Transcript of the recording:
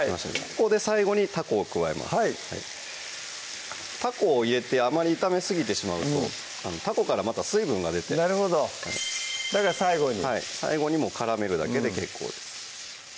ここで最後にたこを加えますはいたこを入れてあまり炒めすぎてしまうとたこからまた水分が出てなるほどだから最後に最後にからめるだけで結構です